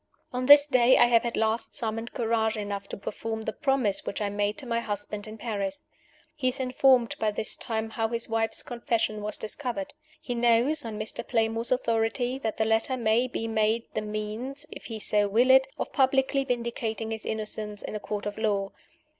On this day I have at last summoned courage enough to perform the promise which I made to my husband in Paris. He is informed, by this time, how his wife's Confession was discovered. He knows (on Mr. Playmore's authority) that the letter may be made the means, if he so will it, of publicly vindicating his innocence in a Court of Law.